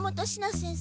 先生。